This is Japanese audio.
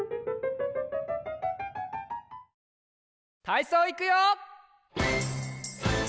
たいそういくよ！